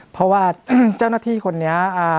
เพราะว่าเจ้าหน้าที่คนนี้